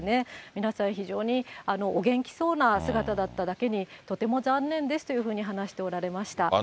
皆さん、非常にお元気そうな姿だっただけに、とても残念ですというふうに話しておられました。